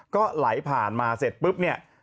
ก็ไหลผ่านมาเสร็จปุ๊บ